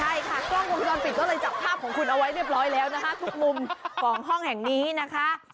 ใช่ค่ะกล้องวงจรปิดก็เลยจับภาพของคุณเอาไว้เรียบร้อยแล้วนะคะทุกมุมของห้องแห่งนี้นะคะ